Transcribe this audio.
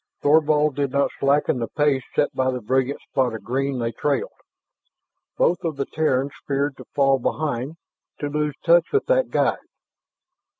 Thorvald did not slacken the pace set by the brilliant spot of green they trailed. Both of the Terrans feared to fall behind, to lose touch with that guide.